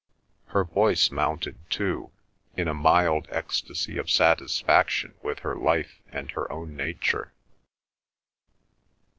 Her voice mounted too, in a mild ecstasy of satisfaction with her life and her own nature.